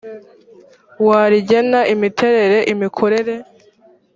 wa rigena imiterere imikorere